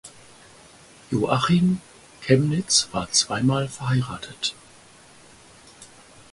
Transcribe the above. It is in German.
Joachim Chemnitz war zweimal verheiratet.